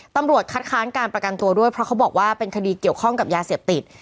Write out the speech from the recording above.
ตำรวจคัดค้านการประกันตัวด้วยเพราะเขาบอกว่าเป็นคดีเกี่ยวข้องกับยาเสพติด